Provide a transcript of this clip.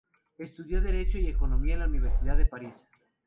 Estudió Derecho y Economía en la Universidad de París.